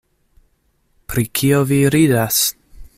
Pri kio vi ridas?